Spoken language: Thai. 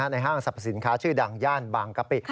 ห้างสรรพสินค้าชื่อดังย่านบางกะปิ